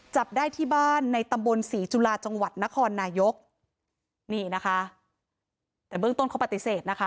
จับได้ที่บ้านในตำบลศรีจุฬาจังหวัดนครนายกนี่นะคะแต่เบื้องต้นเขาปฏิเสธนะคะ